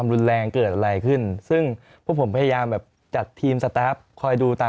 ขนุนค่ะห่วงไหมอ่ะผู้ใหญ่ห่วงเยอะนะ